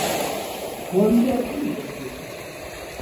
واردات ولي بند سول؟